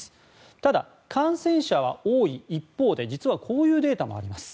ただ、感染者は多い一方で実はこういうデータもあります。